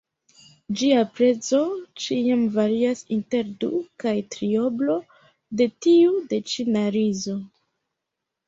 Ĝia prezo ĉiam varias inter du- kaj trioblo de tiu de ĉina rizo.